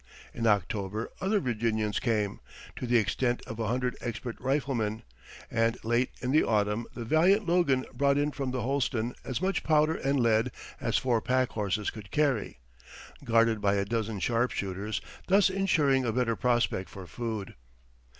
In October other Virginians came, to the extent of a hundred expert riflemen; and late in the autumn the valiant Logan brought in from the Holston as much powder and lead as four packhorses could carry, guarded by a dozen sharpshooters, thus insuring a better prospect for food.